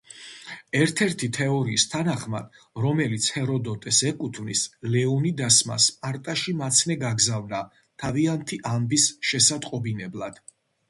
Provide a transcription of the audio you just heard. ერთ-ერთი თეორიის თანახმად, რომელიც ჰეროდოტეს ეკუთვნის ლეონიდასმა სპარტაში მაცნე გაგზავნა თავიანთი ამბის შესატყობინებლად.